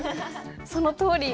そのとおり。